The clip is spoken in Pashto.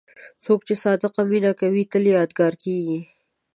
څوک چې صادق مینه کوي، تل یادګاري کېږي.